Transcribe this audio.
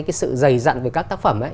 cái sự dày dặn về các tác phẩm ấy